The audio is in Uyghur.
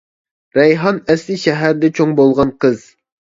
رەيھان ئەسلى شەھەردە چوڭ بولغان قىز.